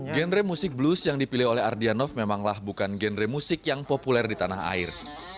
genre musik blues yang dipilih oleh ardianov memanglah bukan genre musik yang populer di tanah air